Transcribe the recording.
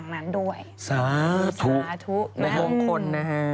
สวัสดีค่ะ